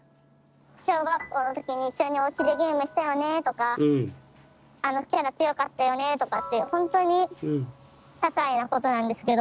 「小学校の時に一緒におうちでゲームしたよね」とか「あのキャラ強かったよね」とかっていうほんとにささいなことなんですけど。